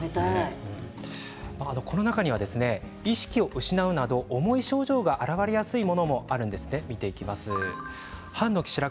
この中には意識を失うなど重い症状が現れやすいものもあります。